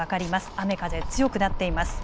雨風、強くなっています。